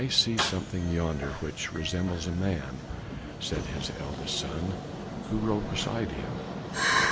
"I see something yonder which resembles a man," said his eldest son, who rode beside him.